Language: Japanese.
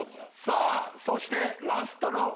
さあそしてラストの１ペアは？